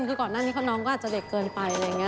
คือก่อนหน้านี้น้องก็อาจจะเด็กเกินไปอะไรอย่างนี้